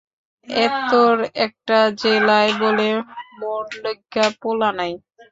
এত্তোর একটা জেলায় বোলে মোর লইগ্গা পোলা নাই।